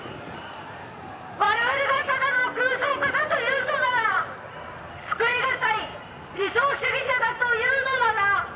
「我々がただの空想家だと言うのなら救いがたい理想主義者だと言うのなら」